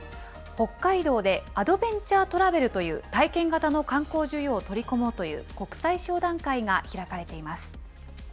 北海道でアドベンチャートラベルという体験型の観光需要を取り込もうという国際商談会が開かれています。